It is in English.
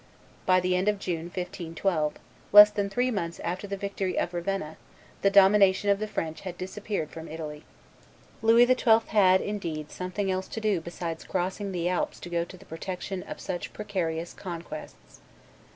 By the end of June, 1512, less than three months after the victory of Ravenna, the domination of the French had disappeared from Italy. [Illustration: Gaston de Foix 364] Louis XII. had, indeed, something else to do besides crossing the Alps to go to the protection of such precarious conquests.